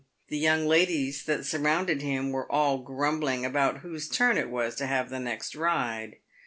The young ladies that surrounded him were all grumbling about whose turn it was to have the next ride.